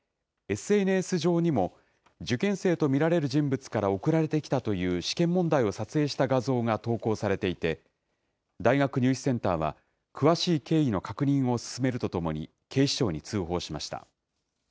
ＳＮＳ上にも、受験生と見られる人物から送られてきたという試験問題を撮影した画像が投稿されていて、大学入試センターは、詳しい経緯の確認を進めるとともに、警視庁に通報しました。